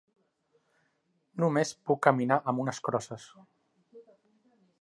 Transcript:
Només puc caminar amb unes crossa.